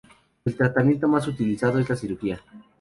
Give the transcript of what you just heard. El tratamiento más utilizado es la cirugía.